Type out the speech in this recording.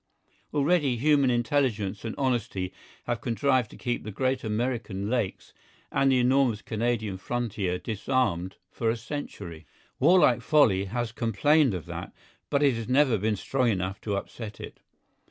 Already human intelligence and honesty have contrived to keep the great American lakes and the enormous Canadian frontier disarmed for a century. Warlike folly has complained of that, but it has never been strong enough to upset it.